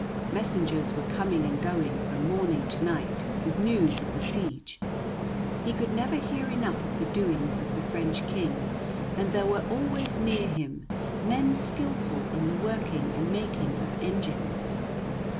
Messengers were coming and going from morning to night with news of the siege he could never hear enough of the doings of the French King and there were always near him men skilful in the working and making of engines.